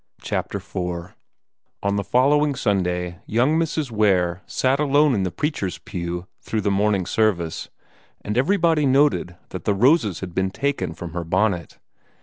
CHAPTER IV On the following Sunday, young Mrs. Ware sat alone in the preacher's pew through the morning service, and everybody noted that the roses had been taken from her bonnet.